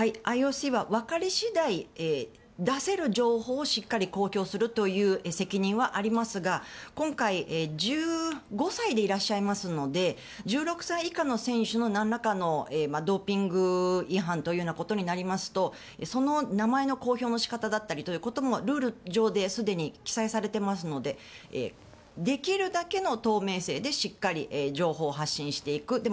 ＩＯＣは分かり次第出せる情報をしっかり公表するという責任はありますが今回１５歳でいらっしゃいますので１６歳以下の選手の何らかのドーピング違反となりますとその名前の公表の仕方だったりということもルール上ですでに記載されていますのでできるだけの透明性でしっかり情報を発信していく。